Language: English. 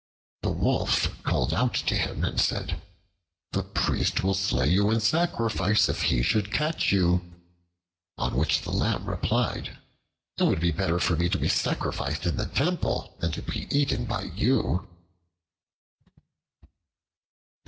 The Wolf called out to him and said, "The Priest will slay you in sacrifice, if he should catch you." On which the Lamb replied, "It would be better for me to be sacrificed in the Temple than to be eaten by you."